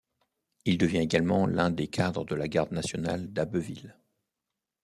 Il devient également l'un des cadres de la garde nationale d'Abbeville.